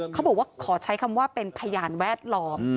เขาบอกว่าขอใช้คำว่าเป็นพยานแวดล้อม